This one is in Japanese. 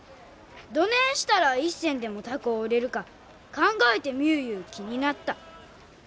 どねんしたら一銭でも高う売れるか考えてみゅういう気になった。